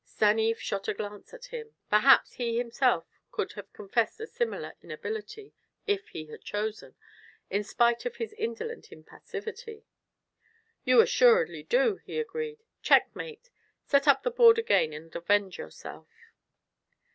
Stanief shot a glance at him; perhaps he himself could have confessed a similar inability, if he had chosen, in spite of his indolent impassivity. "You assuredly do," he agreed. "Checkmate. Set up the board again and avenge yourself."